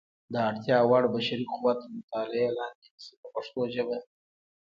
د اړتیا وړ بشري قوت تر مطالعې لاندې نیسي په پښتو ژبه.